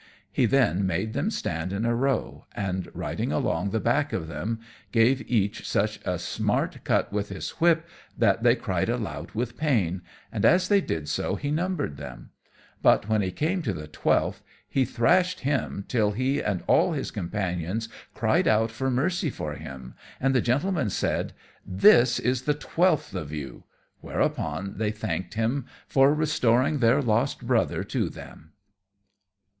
He then made them stand in a row, and riding along the back of them gave each such a smart cut with his whip that they cried aloud with pain, and as they did so he numbered them; but when he came to the twelfth he thrashed him till he and all his companions cried out for mercy for him; and the Gentleman said, "This is the twelfth of you!" whereupon they thanked him for restoring their lost brother to them.